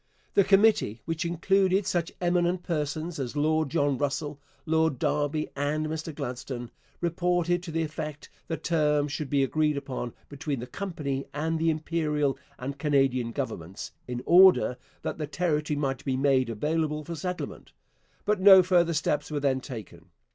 The committee, which included such eminent persons as Lord John Russell, Lord Derby, and Mr Gladstone, reported to the effect that terms should be agreed upon between the company and the Imperial and Canadian governments, in order that the territory might be made available for settlement; but no further steps were then taken.